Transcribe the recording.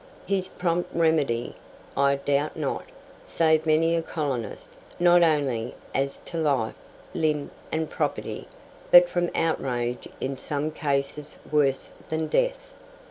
His prompt remedy, I doubt not, saved many a colonist, not only as to life, limb, and property, but from outrage in some cases worse than death.